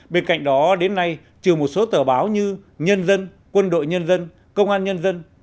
bên cạnh đó đến nay trừ một số tờ báo như nhân dân quân đội nhân dân công an nhân dân